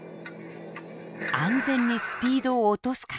安全にスピードを落とすか。